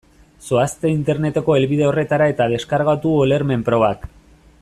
Zoazte Interneteko helbide horretara eta deskargatu ulermen-probak.